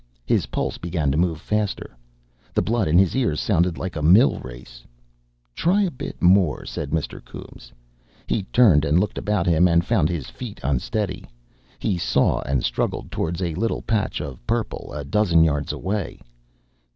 His pulse began to move faster. The blood in his ears sounded like a mill race. "Try bi' more," said Mr. Coombes. He turned and looked about him, and found his feet unsteady. He saw, and struggled towards, a little patch of purple a dozen yards away.